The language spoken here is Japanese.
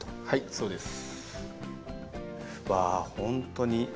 そうですね。